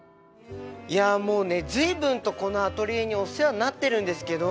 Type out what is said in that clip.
いやもうね随分とこのアトリエにお世話になってるんですけど。